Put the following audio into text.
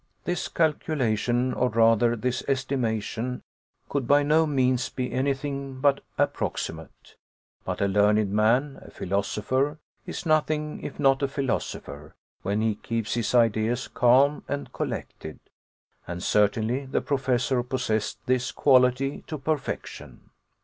This calculation, or rather this estimation, could by no means be anything but approximate. But a learned man, a philosopher, is nothing if not a philosopher, when he keeps his ideas calm and collected; and certainly the Professor possessed this quality to perfection.